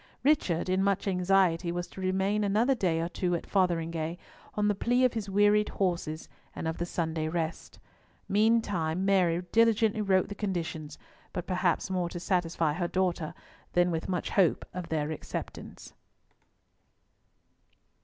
Richard, in much anxiety, was to remain another day or two at Fotheringhay, on the plea of his wearied horses and of the Sunday rest. Meantime Mary diligently wrote the conditions, but perhaps more to satisfy her daughter than with much hope of their acceptance.